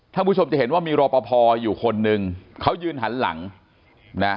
ท่านผู้ชมจะเห็นว่ามีรอปภอยู่คนหนึ่งเขายืนหันหลังนะ